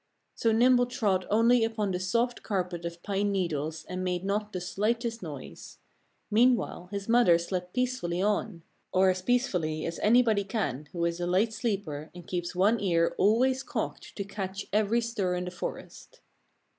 So Nimble trod only upon the soft carpet of pine needles and made not the slightest noise. Meanwhile his mother slept peacefully on or as peacefully as anybody can who is a light sleeper and keeps one ear always cocked to catch every stir in the forest.